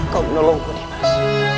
kau menolongku dimas